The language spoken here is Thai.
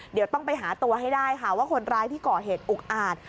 เดี๋ยวต้องไปหาตัวให้ได้ค่ะว่าคนร้ายที่ก่อเหตุอุกอาจ